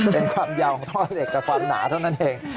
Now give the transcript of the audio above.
เป็นความยาวของท่อเหล็กกับความหนาเท่านั้นเอง